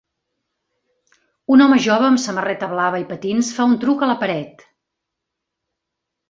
Un home jove amb samarreta blava i patins fa un truc a la paret.